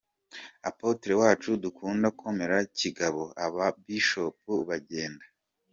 Apotre Wacu dukunda komera kigabo aba Bishop bagenda.